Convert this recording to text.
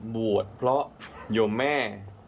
บวชเพราะโยมแม่